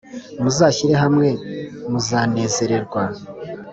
Muzashyire hamwe, muzanezererwaaa